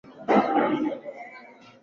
The golf course no longer exists.